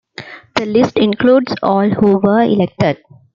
The list includes all who were elected.